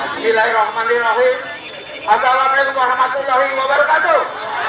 silairohmanirohim assalamualaikum warahmatullahi wabarakatuh